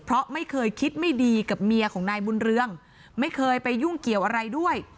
เพราะไม่เคยคิดไม่ดีกับเมียของนายบุญเรืองไม่เคยไปยุ่งเกี่ยวอะไรด้วย